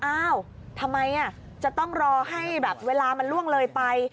อ้าวทำไมจะต้องรอให้แบบเวลามันล่วงเลยไป